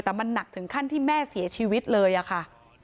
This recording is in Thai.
แต่มันหนักถึงขั้นที่แม่เสียชีวิตเลยอะค่ะ